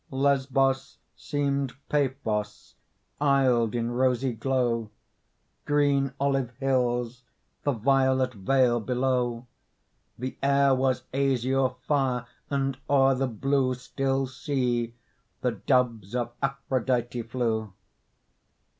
Lesbos seemed Paphos, isled in rosy glow, Green olive hills, the violet vale below; The air was azure fire and o'er the blue Still sea the doves of Aphrodite flew.